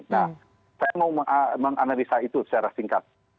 nah saya mau menganalisa itu secara singkat